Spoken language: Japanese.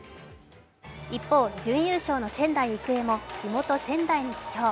一方、準優勝の仙台育英も地元・仙台に帰郷。